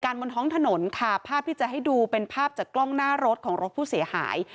บนท้องถนนค่ะภาพที่จะให้ดูเป็นภาพจากกล้องหน้ารถของรถผู้เสียหาย